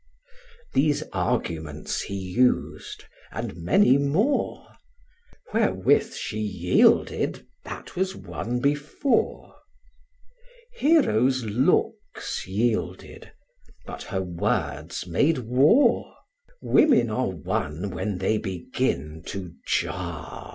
These arguments he us'd, and many more; Wherewith she yielded, that was won before. Hero's looks yielded, but her words made war: Women are won when they begin to jar.